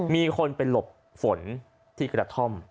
มีคนไปหลบฝนที่กระท่อม